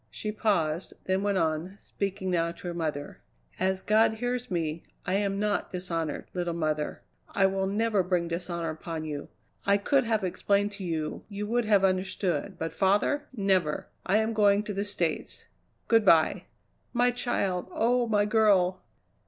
She paused, then went on, speaking now to her mother: "As God hears me, I am not dishonoured, little mother. I will never bring dishonour upon you. I could have explained to you you would have understood, but father never! I am going to the States. Good bye." "My child! oh! my girl!"